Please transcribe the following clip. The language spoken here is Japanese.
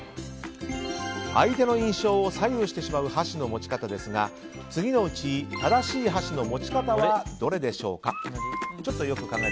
相手の印象を左右してしまう箸の持ち方ですが次のうち正しい箸の持ち方はどれでしょうか。